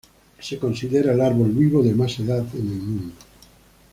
Se considera el árbol vivo de más edad en el mundo.